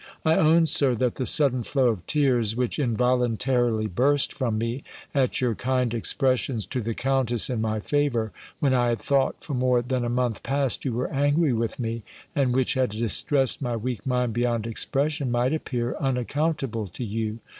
"I own, Sir, that the sudden flow of tears which involuntarily burst from me, at your kind expressions to the Countess in my favour, when I had thought for more than a month past, you were angry with me, and which had distressed my weak mind beyond expression, might appear unaccountable to you.